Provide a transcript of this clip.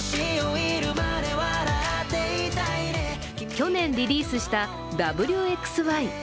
去年リリースした「Ｗ／Ｘ／Ｙ」。